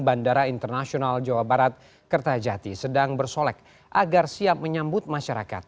bandara internasional jawa barat kertajati sedang bersolek agar siap menyambut masyarakat